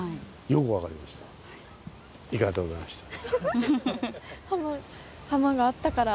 よく分かりました。